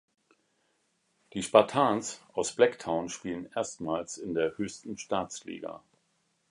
Die "Spartans" aus Blacktown spielen erstmals in der höchsten Staatsliga.